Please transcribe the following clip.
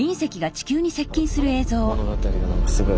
物語が何かすごい。